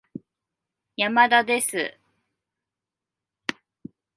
山田です